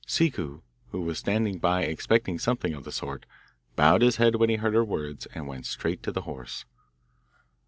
Ciccu, who was standing by expecting something of the sort, bowed his head when he heard her words, and went straight to the horse.